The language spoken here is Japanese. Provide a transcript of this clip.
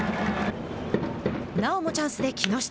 なおもチャンスで木下。